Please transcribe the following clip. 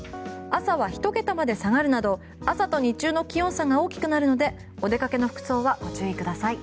朝は１桁まで下がるなど朝と日中の気温差が大きくなるなどお出かけの服装はご注意ください。